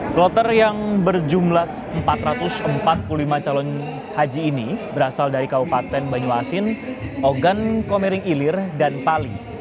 kloter yang berjumlah empat ratus empat puluh lima calon haji ini berasal dari kabupaten banyuasin ogan komering ilir dan pali